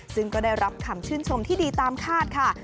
ซึ่งก็ได้รับคำชื่นชมที่ดีตามคาดค่ะ